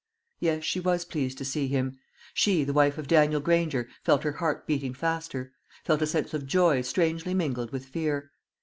Yes; she was pleased to see him; she, the wife of Daniel Granger, felt her heart beating faster, felt a sense of joy strangely mingled with fear.